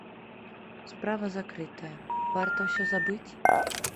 Справа закрытая, варта ўсе забыць?